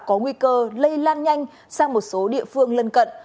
có nguy cơ lây lan nhanh sang một số địa phương lân cận